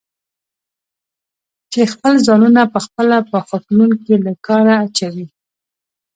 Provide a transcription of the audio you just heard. چې خپل ځانونه پخپله په خوټلون کې له کاره اچوي؟